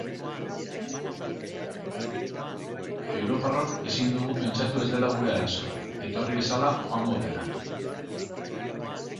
Europarrok ezin dugu pentsatu ez dela gure arazoa, etorri bezala joango dela.